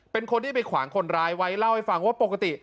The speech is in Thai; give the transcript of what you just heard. เป็นคนที่ไปขวางคนร้ายไว้เล่าให้ฟังว่าปกติ